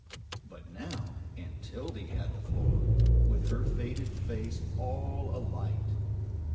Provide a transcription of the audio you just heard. But now Aunt Tildy had the floor, with her faded face all alight.